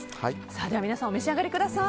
では皆さんお召し上がりください。